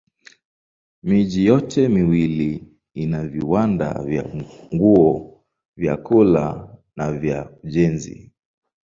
Miji yote miwili ina viwanda vya nguo, vyakula na za ujenzi.